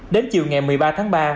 đến chiều ngày một mươi ba tháng ba